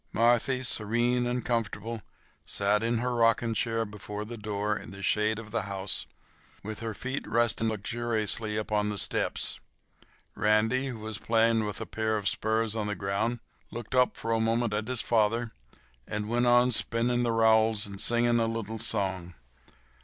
Marthy, serene and comfortable, sat in her rocking chair before the door in the shade of the house, with her feet resting luxuriously upon the steps. Randy, who was playing with a pair of spurs on the ground, looked up for a moment at his father and went on spinning the rowels and singing a little song.